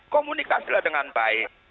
komunikasilah dengan baik